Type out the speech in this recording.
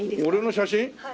俺の写真？